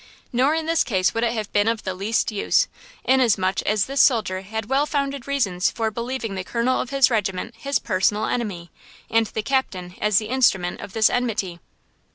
Nor in this case would it have been of the least use, inasmuch as this soldier had well founded reasons for believing the Colonel of his regiment his personal enemy, and the Captain as the instrument of this enmity."